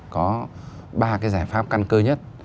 có ba cái giải pháp căn cơ nhất